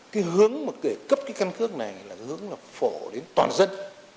cái hướng mà để cấp cái căn cước này là hướng là phổ đến toàn dân